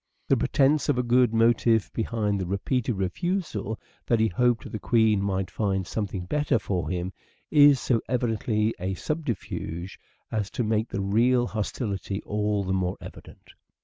The pretence of a good motive behind the repeated refusal — that he hoped the Queen might find something better for him — is so evidently a subter fuge as to make the real hostility all the more evident.